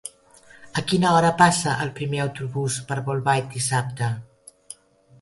A quina hora passa el primer autobús per Bolbait dissabte?